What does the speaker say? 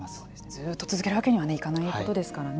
ずうっと続けるわけにはいかないことですからね。